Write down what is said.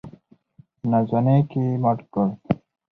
په ناځواني کې یې مړ کړ.